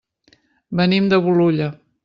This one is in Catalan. Venim de Bolulla.